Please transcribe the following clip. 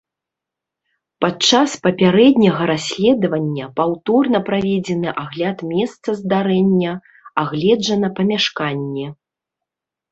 Падчас папярэдняга расследавання паўторна праведзены агляд месца здарэння, агледжана памяшканне.